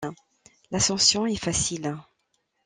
L'ascension est facile.